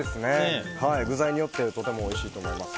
具材によってもとてもおいしいと思います。